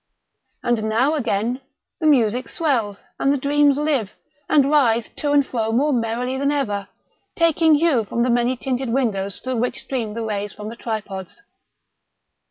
And now again the music swells, and the dreams live, and writhe to and fro more merrily than ever, taking hue from the many tinted windows through which stream the rays from the tripods.